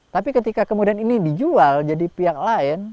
tapi ketika kemudian ini dijual jadi pihak lain